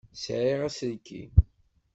Sɛiɣ aselkim.